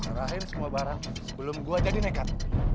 terakhir semua barang sebelum gua jadi nekat